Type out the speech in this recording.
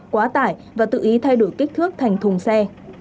quá tải và tự ý thay đổi kích thước thành thùng xe